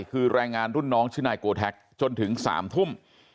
คือแรงงานรุ่นน้องชื่อนายโกแท็กจนถึง๓ทุ่ม